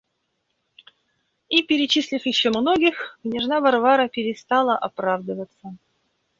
И, перечислив еще многих, княжна Варвара перестала оправдываться.